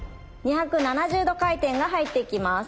２７０度回転が入っていきます。